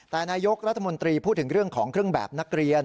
แต่นายกรัฐมนตรีพูดถึงเรื่องของเครื่องแบบนักเรียน